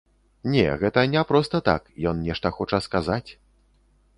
Не, гэта не проста так, ён нешта хоча сказаць.